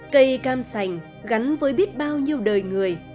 cây cam sành gắn với biết bao nhiêu đời người